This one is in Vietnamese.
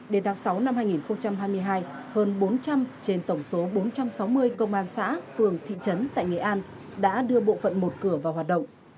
đến tháng sáu năm hai nghìn hai mươi hai hơn bốn trăm linh trên tổng số bốn trăm sáu mươi công an xã phường thị trấn tại nghệ an đã đưa bộ phận một cửa vào hoạt động